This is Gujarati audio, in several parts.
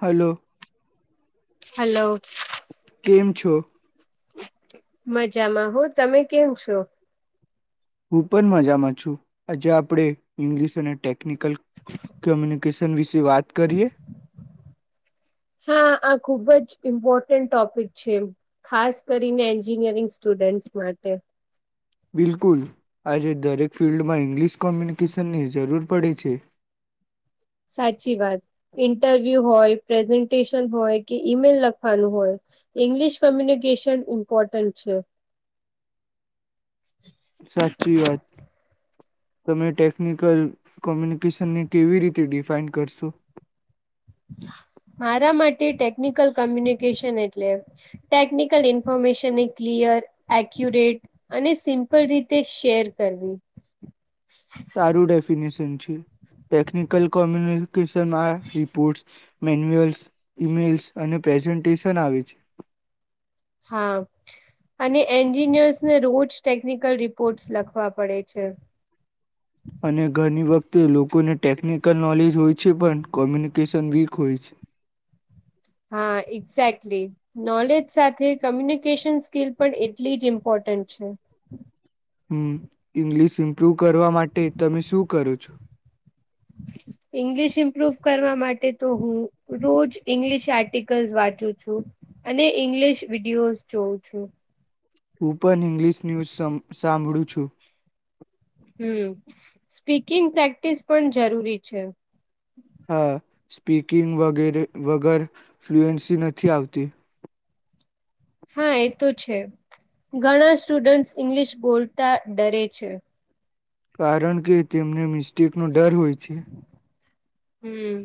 હલો હલો કેમ છો? મજામાં હો તમે કેમ છો? હું પણ મજામાં છું આજે આપણે ઇંગ્લિશ અને ટેકનિકલ કોમ્યુનિકેશન વિશે વાત કરીએ? હા આ ખુબ જ ઇમ્પોર્ટન્ટ ટોપિક છે ખાસ કરીને એન્જિનિયરિંગ સ્ટુડન્ટસ માટે બિલકુલ આજે દરેક ફિલ્ડમાં ઇંગ્લિશ કોમ્યુનિકેશનની જરૂર પડે છે. સાચી વાત ઇન્ટરવ્યુ હોય, પ્રેઝન્ટેશન હોય કે ઈમેલ લખવાનું હોય ઈંગ્લિશ કોમ્યુનિકેશન ઇમ્પોર્ટન્ટ છે. સાચી વાત તમે ટેકનિકલ કોમ્યુનિકેશનને કેવી રીતે ડિફાઈન કરશો? મારા માટે ટેકનિકલ કમ્યુનિકેશન એટલે ટેકનિકલ ઇન્ફોર્મેશનને ક્લિયર એક્યુરેટ અને સિમ્પલ રીતે શેર કરવી. સારું ડેફિનેશન છે ટેકનિકલ કોમ્યુનિકેશનમાં રિપોર્ટ્સ મેન્યુઅલ્સ ઇમેલ્સ અને પ્રેઝન્ટેશન આવે છે. હા અને એન્જિનિયર્સને રોજ ટેકનિકલ રિપોર્ટસ લખવા પડે છે. અને ગણી વખતે લોકોને ટેકનિકલ નોલેજ હોય છે પણ કોમ્યુનિકેશન વીક હોય છે. હા એક્ઝેક્ટલી! નોલેજ સાથે કમ્યુનિકેશન સ્કિલ પણ એટલી જ ઇમ્પોર્ટન્ટ છે. હમ્મ ઈંગ્લિશ ઇમ્પ્રુવ કરવા માટે તમે શું કરો છો? ઇંગલિશ ઈમ્પ્રુ પ્રૂવ કરવા માટે તો હું રોજ ઇંગ્લિશ આર્ટિકલ્સ વાંચું છું અને ઇંગ્લિશ વિડીિયોઝ જોઉં છું. હું પણ ઇંગ્લીિશ ન્યૂઝ સમ સાંભળું છું. હમ્મ સ્પીકિંગ પ્રેક્ટિસ પણ જરૂરી છે. હા સ્પીકિંગ વગેરે વગર ફ્લુએન્સી નથી આવતી હા એ તો છે ઘણા સ્ટુડન્ટ્સ ઈંગ્લિશ બોલતા ડરે છે. કારણ કે તેમને મિસ્ટેકનો ડર હોય છે. હમ્મ,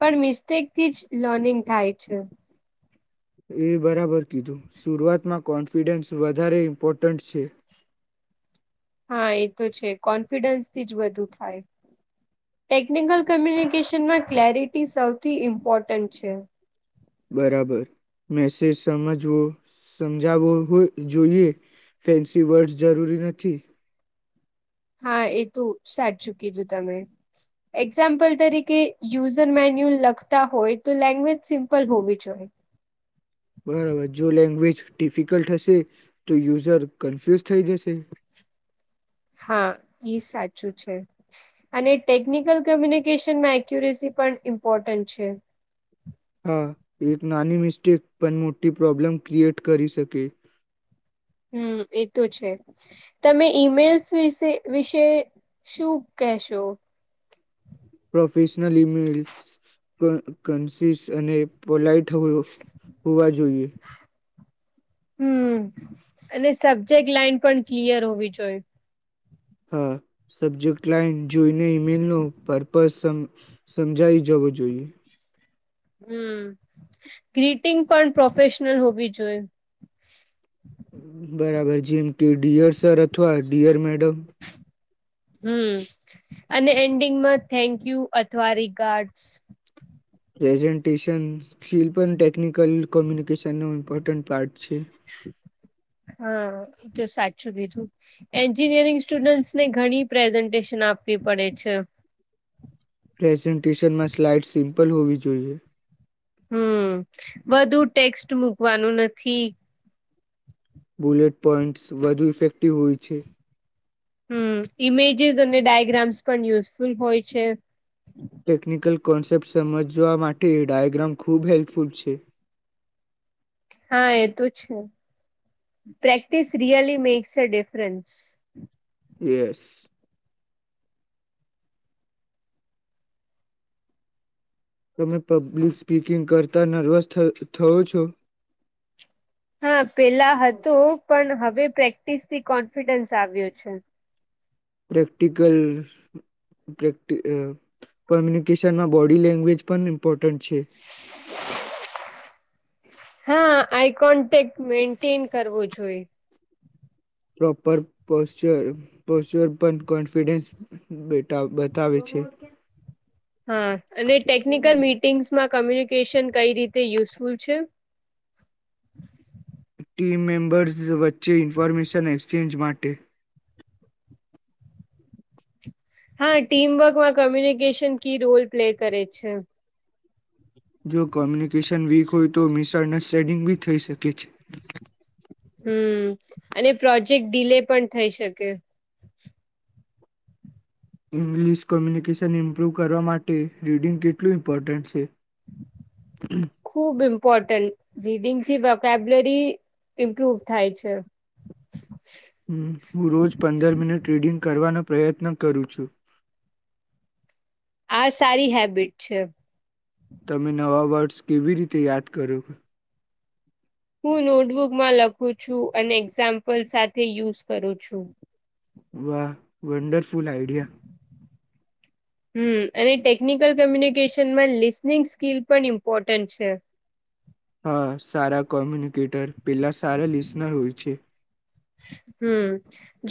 પણ મિસ્ટેક થીજ લર્નિંગ થાય છે. એ બરાબર કીધું શરૂઆતમાં કોન્ફિડન્સ વધારે ઇમ્પોર્ટન્ટ છે. હા, એતો છે. કોન્ફિડન્સથી જ વધુ થાય. ટેકનિકલ કોમ્યુનિકેશનમાં ક્લેરિટી સૌથી ઇમ્પોર્ટન્ટ છે. બરાબર, મેસેજ સમજવો, સમજાવો જોઈએ ફેન્સી વર્ડ જરૂરી નથી. હા, એતો સાચું કીધું તમે. એક્ઝામ્પલ તરીકે યુઝર મેન્યુલ લખતા હોય, તો લેંગ્વેજ સિમ્પલ હોવી જોઈ. બરાબર, જો લેંગ્વેજ ડિફિકલ્ટ હશે, તો યુઝર કન્ફ્યુઝ થઈ જશે. હા, ઈ સાચું છે અને ટેકનિકલ કમ્યુનિકેશનમાં એક્યુરેસી પણ ઇમ્પોર્ટન્ટ છે. હા, એક નાની મિસ્ટેક પણ મોટી પ્રોબ્લેમ ક્રિએટ કરી શકે. હમ્મ, એતો છે તમે ઈમેલ્સ વિશે વિશે શું કહેશો. પ્રોફેશનલ ઇમેલસ કન્સીસ અને પોલાઇટ હોવો હોવા જોઈએ હમ્મ અને સબ્જેક્ટ લાઈન પણ ક્લિયર હોવી જોઈ. હા, સબ્જેક્ટ લાઇન જોઈને ઈમેલનો પર્પઝ સમ સમજાવી જવો જોઈએ. હમ્મ, ગ્રીટિંગ પણ પ્રોફેશનલ હોવી જોઈ. બરાબર જેમ કે ડિયર સર અથવા ડિયર મેડમ હમ્મ અને એન્ડિંગમાં થેન્કયુ અથવા રીગારડસ પ્રેઝન્ટેશન સ્કકીલ પણ ટેકનિકલ કોમ્યુનિકેશન ન ઇમ્પોર્ટન્ટ પાર્ટ છે. હા, એતો સાચું કીધું. એન્જિનિયરિંગ સ્ટુડન્ટસને ઘણી પ્રેઝન્ટેશન આપવી પડે છે. પ્રેઝન્ટેશનમાં સ્લાઈડ સિમ્પલ હોવી જોઈએ. હમ્મ, વધુ ટેક્સ્ટ મૂકવાનું નથી. બુલેટ પોઈન્ટ્સ વધુ ઇફેક્ટિવ હોય છે. હમ્મ, ઈમેજસ અને ડાયગ્રામ્સ પણ યુઝફુલ હોય છે. ટેકનિકલ કોન્સેપ્ટ સમજવા માટે ડયાગ્રામ ખૂબ હેલ્પફુલ છે. હા, એતો છે. Practice really makes a difference yes. તમે પબ્લિક સ્પીકિંગ કરતાં નર્વસ થવ થવો છો? હા, પેલા હતું પણ હવે પ્રેક્ટિસ થી કોન્ફિડન્સ આવ્યો છે. પ્રેક્ટિકલ પ્રેક કોમ્યુનિકેશનમાં બોડી લેંગ્વેજ પણ ઇમ્પોટન્ટ છે. હા, આઈ કોન્ટેક્ટ મેન્ટેન કરવો જોઈ પ્રોપર પોસ્ટુર પોચર પર કોન્ફિડન્સ બતાવે છે. હા અને ટેકનિકલ મિટિંગ્સમાં કમ્યુન નિકેશન કઈ રીતે યુઝફુલ છે? ટીમ મેમ્બર્સ વચ્ચે ઇન્ફોર્મેશન એક્સચેન્જ માટે હા, ટીમવર્કમાં કોમ્યુનિકેશન કી રોલ પ્લે કરે છે. જો કોમ્યુનિકેશન વીક હોય, તો મિસ અંદરસ્ટેન્ડકિંગ બી થઈ શકે છે. હમ્મ અને પ્રોજેક્ટ ડીલે પણ થઈ શકે. ઇંગ્લિશ કોમ્યુનિકેશન ઇમ્પ્રૂવ કરવા માટે રીડિંગ કેટલું ઇમ્પોર્ટન્ટ છે? ખૂબ ઇમ્પોર્ટન્ટ રીડિંગ થી વોકેબુલરી ઇમ્પ્રુવ થાય છે. હમ હું રોજ પંદર મિનિટ રીડિંગ કરવાનો પ્રયત્ન કરું છું. આ સારી હેબિટ છે. તમે નવા વર્ડ્સ કેવી રીતે યાદ કરો હું નોટબુકમાં લખું છું અને એક્ઝામ્પલ સાથે યુઝ કરું છું. વાહ વંડરફુલ આઈડિયા હમમ અને ટેકનિકલ કમ્યુનિકેશનમાં લિસનિંગ સ્કીિલ પણ ઇમ્પોર્ટન્ટ છે. હા સારા કોમ્યુનિકેટર પેલા સારા લિસનર હોય છે. હમમ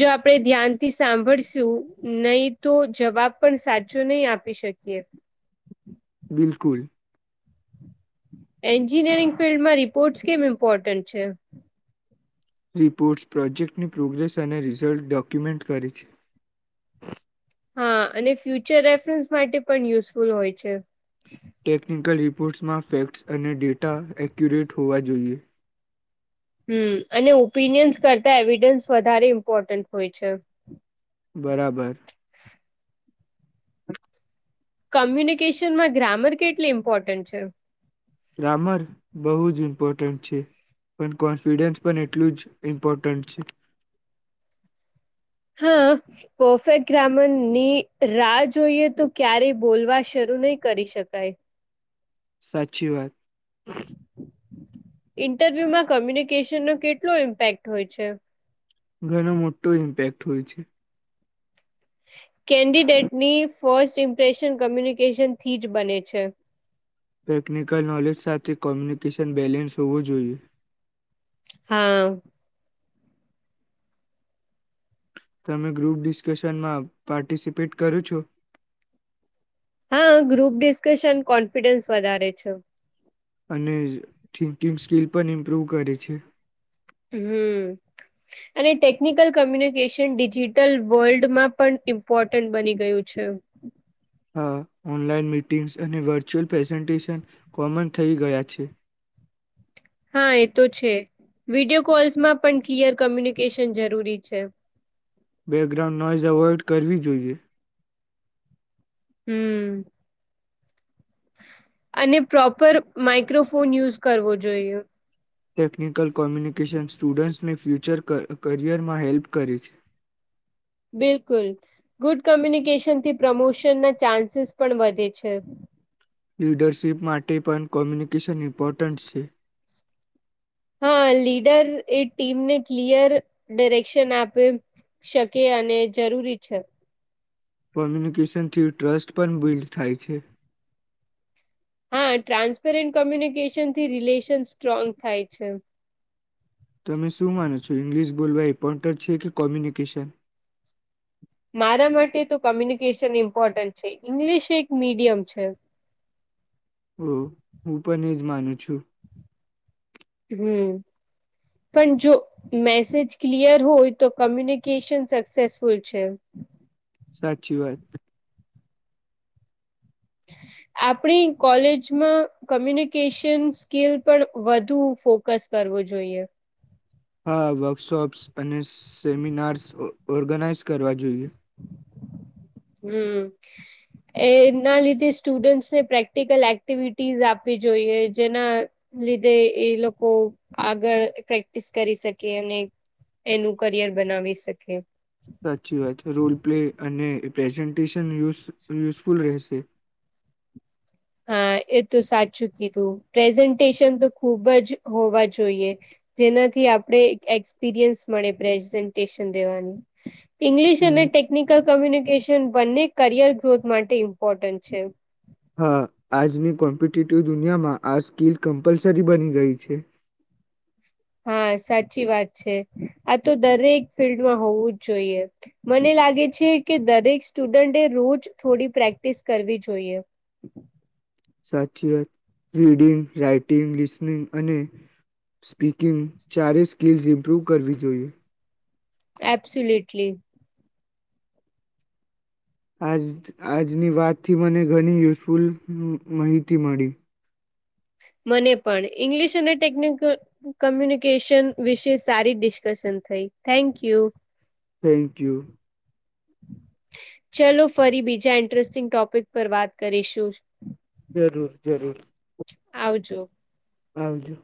જો આપણે ધ્યાનથી સાંભળશું નહી તો જવાબ પણ સાચો નહી આપી શકીએ. બિલકુલ. એન્જિનિયરિંગ ફિલ્ડમાં રિપોર્ટ્સ કેમ ઇમ્પોર્ટન્ટ છે? રિપોર્ટ્સ પ્રોજેક્ટની પ્રોગ્રેસ અને રિઝલ્ટ ડોક્યુમેન્ટ કરે છે. હા અને ફ્યુચર રેફરન્સ માટે પણ યુઝફુલ હોય છે. ટેકનિકલ રિપોર્ટ્સમાં ફેક્ટ્સ અને ડેટા એક્યુરેટ હોવા જોઈએ. હમમ અને ઓપિનિયન્સ કરતા એવિડન્સ વધારે ઇમ્પોર્ટન્ટ હોય છે. બરાબર કમ્યુનિકેશનમાં ગ્રામર કેટલી ઇમ્પોર્ટન્ટ છે? ગ્રામર બો જ ઇમ્પોર્ટન્ટ છે પણ કોન્ફિડન્સ પણ એટલું જ ઇમ્પોર્ટન્ટ છે. હા પરફેક્ટ ગ્રામર ની રાહ જોઈએ તો ક્યારે બોલવા શરૂ નહી કરી શકાય. સાચી વાત [inaudible] ઇન્ટરવ્યુમાં કમ્યુનિકેશન ન કેટલો ઇમ્પેક્ટ હોય છે? ઘણું મોટું ઇમ્પેક્ટ હોય છે. કેન્ડિડેટની ફર્સ્ટ ઇમ્પ્રેશન કમ્યુનિકેશનથી જ બને છે. ટેકનિકલ નોલેજ સાથે કોમ્યુનિકેશન બેલેન્સ હોવું જોઈએ. હા તમે ગ્રુપ ડિસ્કશનમાં પાર્ટિસિપેટ કરો છો? હા ગ્રુપ ડિસ્કશન કોન્ફિડન્સ વધારે છે. અને થિંકિંગ સ્કીલ પણ ઇમ્પ્રુવ કરે છે. હમમ અને ટેકનિકલ કમ્યુનિકેશન ડિજિટલ વર્લ્ડમાં પણ ઇમ્પોર્ટન્ટ બની ગયું છે. હા ઓનલાઈન મિટિંગ્સ અને વર્ચ્યુઅલ પ્રેઝન્ટેશન કોમન થઈ ગયા છે. હા એ તો છે વિડીયો કોલ્સમાં પણ ક્લિયર કમ્યુનિકેશન જરૂરી છે. બેકગ્રાઉન્ડ નોઇઝ અવોઇડ કરવી જોઈએ. હમમ અને પ્રોપર માઈક્રોફોન યુઝ કરવો જોઈએ. ટેકનિકલ કોમ્યુનિકેશન સ્ટુડન્ટ્સને ફ્યૂચર ક ક કરિયરમાં હેલ્પ કરે છે. બિલકુલ ગુડ કમ્યુનિકેશનથી પ્રમોશનના ચાન્સીસ પણ વધે છે. લીડરશિપ માટે પણ કોમ્યુનિકેશન ઇમ્પોર્ટન્ટ છે. હા લીડર એ ટીમને ક્લિયર ડીરેક્શન આપે શકે અને જરૂરી છે. કમ્યુનિકેશન થી ટ્રસ્ટ પણ બિલ્ડ થાય છે. હા ટ્રાન્સપેરેન્ટ કોમ્યુનિકેશન થી રિલેશન સ્ટ્રોંગ થાય છે તમે શું માનો છો ઇંગ્લિશ બોલવા ઈમ્પોટંટ છે કે કોમ્યુનિકેશન મારા માટે તો કમ્યુનિકેશન ઇમ્પોર્ટન્ટ છે ઇંગ્લિશ એક મીડિયમ છે. ઓ હું પણ એ જ માનું છું. હમ પણ જો મેસેજ ક્લિયર હોય તો કમ્યુનિકેશન સક્સેસફુલ છે સાચી વાત આપણી કોલેજમાં કમ્યુનિકેશન સ્કીિલ પર વધુ ફોકસ કરવું જોઈએ હા વર્કશોપ્સ અને સેમિનાર્સ ઓર્ગેનાઇઝ કરવા જોઈએ હમ એના લીધે સ્ટુડન્ટસને પ્રેક્ટિકલ એક્ટિવિટીઝ આપવી જોઈએ જેના લીધે એ લોકો આગળ પ્રેક્ટિસ કરી સકે અને એનું કરિયર બનાવી સકે સાચી વાત રોલ પ્લે અને પ્રેઝન્ટેશનય યુઝ યુઝફુલ રહેશે હા એ તો સાચું કીધું પ્રેઝન્ટેશન તો ખુબ જ હોવા જોઈએ જેનાથી આપણે એક્સપિરિયન્સ મળે પ્રેઝન્ટેશન દેવાનુ ઇંગ્લિશ અને હમ, ટેકનિકલ કમ્યુનિકેશન બંને કરિયર ગ્રોથ માટે ઇમ્પોર્ટન્ટ છે હા આજની કોમ્પિટટિવ દુનિયામાં આ સ્કીિલ કમ્પલસરી બની ગઈ છે હા સાચી વાત છે આ તો દરેક ફિલ્ડમાં હોવું જ જોઈએ મને લાગે છે કે દરેક સ્ટુડન્ટે રોજ થોડી પ્રેક્ટિસ કરવી જોઈએ સાચી વાત રીડિંગ રાઈટિંગ લિસનિંગ અને સ્પીકિંગ ચારે સ્કિલ્સ ઇમ્પ્રૂવ કરવી જોઈએ અબસોલુટલી આજ આજની વાતથી મને ઘણી યુઝફુલ મ માહિતી મળી મને પણ ઇંગ્લિશ અને ટેકનિકલ કોમ્યુનિકેશન વિશે સારી ડિસ્કશન થઈ થેન્ક યુ થેન્ક યુ ચલો ફરી બીજા ઇન્ટરેસ્ટિંગ ટોપિક પર વાત કરીશું જરૂર જરૂર આવજો આવજો